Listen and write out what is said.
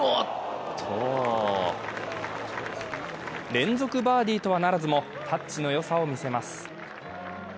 連続バーディーとはならずもタッチのよさを見せます。